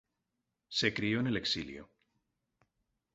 Se crio en el exilio.